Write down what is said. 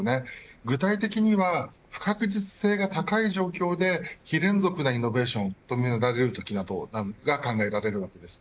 具体的には不確実性が高い状況で非連続なイノベーションを求められるときなどが考えられるわけです。